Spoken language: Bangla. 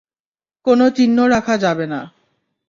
কোনো চিহ্ন রাখা যাবে না।